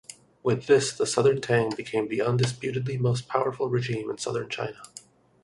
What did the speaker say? With this, Southern Tang became the undisputedly most powerful regime in southern China.